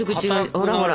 ほらほら